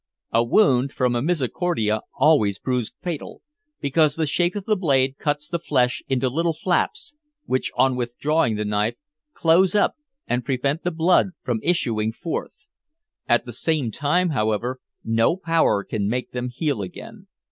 A wound from a misericordia always proves fatal, because the shape of the blade cuts the flesh into little flaps which, on withdrawing the knife, close up and prevent the blood from issuing forth. At the same time, however, no power can make them heal again.